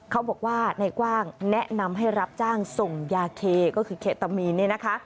เขาบอกว่าในกว้างแนะนำให้รับจ้างส่งยาเคก็คือเคตามีนเนี่ยนะคะ